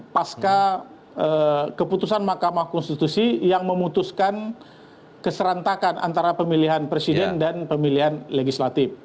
pasca keputusan mahkamah konstitusi yang memutuskan keserentakan antara pemilihan presiden dan pemilihan legislatif